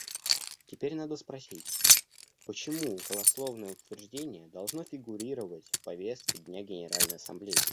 Теперь надо спросить, почему голословное утверждение должно фигурировать в повестке дня Генеральной Ассамблеи.